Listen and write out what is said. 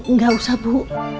nggak usah bu